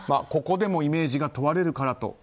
ここでもイメージが問われるからえ？